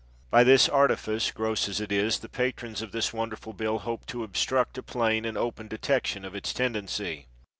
By this artifice, gross as it is, the patrons of this wonderful bill hope to obstruct a plain and open detection of its tendency.